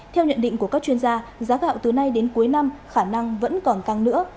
theo nhận định của các chuyên gia giá gạo từ nay đến cuối năm khả năng vẫn còn căng nữa